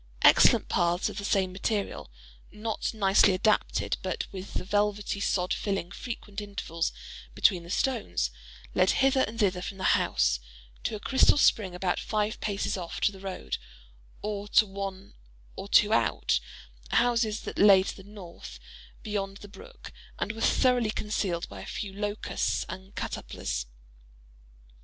Excellent paths of the same material—not nicely adapted, but with the velvety sod filling frequent intervals between the stones, led hither and thither from the house, to a crystal spring about five paces off, to the road, or to one or two out houses that lay to the north, beyond the brook, and were thoroughly concealed by a few locusts and catalpas.